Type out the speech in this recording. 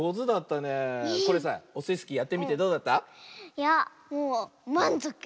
いやもうまんぞく。